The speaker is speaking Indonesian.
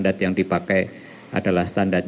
tentang kesehatan lingkungan